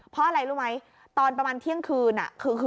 เพราะอะไรรู้ไหมตอนประมาณเที่ยงคืน